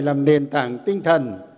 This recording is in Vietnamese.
làm nền tảng tinh thần